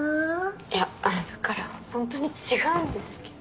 いやあのだからホントに違うんですけど。